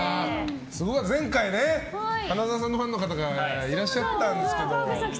前回ね、花澤さんのファンの方がいらっしゃったんですけど。